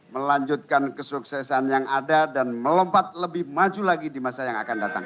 melanjutkan kesuksesan yang ada dan melompat lebih maju lagi di masa yang akan datang